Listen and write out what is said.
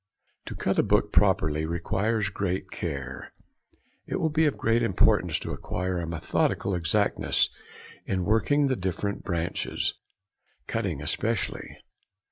To cut a book properly requires great care. It will be of great importance to acquire a methodical exactness in working the different branches, cutting especially.